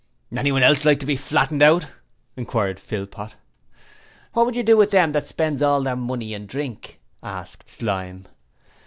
'Anyone else like to be flattened Out?' inquired Philpot. 'What would you do with them what spends all their money in drink?' asked Slyme.